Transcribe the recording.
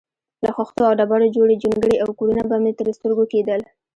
له خښتو او ډبرو جوړې جونګړې او کورونه به مې تر سترګو کېدل.